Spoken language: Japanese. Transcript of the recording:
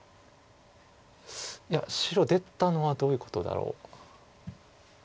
いや白出たのはどういうことだろう。